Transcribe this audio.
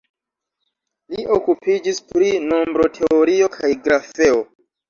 Li okupiĝis pri nombroteorio kaj grafeo.